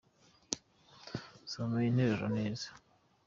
Soma iyo nteruro neza.